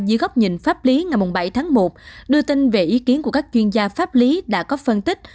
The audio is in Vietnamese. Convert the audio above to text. dưới góc nhìn pháp lý ngày bảy tháng một đưa tin về ý kiến của các chuyên gia pháp lý đã có phân tích